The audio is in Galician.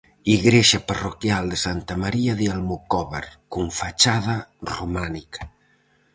Igrexa parroquial de Santa María de Almocóvar con fachada románica.